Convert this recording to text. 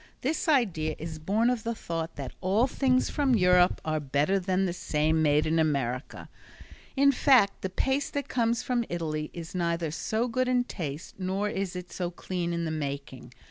This idea is born of the thought that all things from Europe are better than the same made in America. In fact the paste that comes from Italy is neither so good in taste, nor is it so clean in the making.